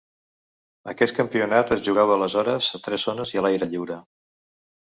Aquest campionat es jugava aleshores a tres zones i a l'aire lliure.